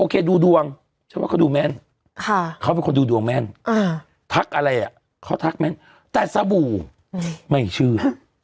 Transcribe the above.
โอเคดูดวงเขาเป็นคนดูดวงแม่นทักอะไรเนี่ยเขาทักแม่นแต่สบู่ไม่เชื่อ